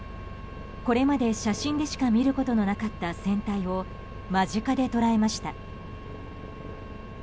これまで写真でしか見ることのなかった船体を間近で捉えました。